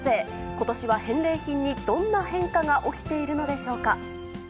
ことしは返礼品にどんな変化が起きているのでしょうか。